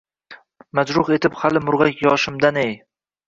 Majruh etib hali murgʼak yoshimdan-ey